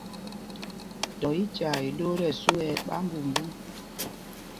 Dɔ í tyaa iɗoo tí ɛsu ɛ ɓáámbumbūm.